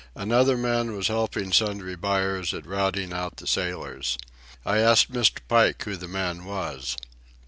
Another man was helping Sundry Buyers at routing out the sailors. I asked Mr. Pike who the man was.